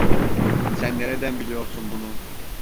Sen nereden biliyorsun bunu?